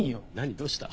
どうした？